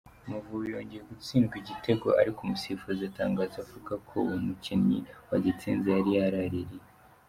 Amavubi yongeye gutsindwa igitego, ariko umusifuzi atangaza avuga ko uwo mukinnyi wagitsinze yari yaraririye.